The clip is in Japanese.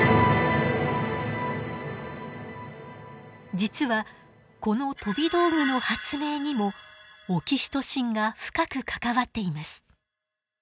実はこの飛び道具の発明にもオキシトシンが深く関わっています。